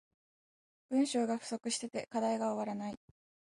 文章が不足してて課題が終わらない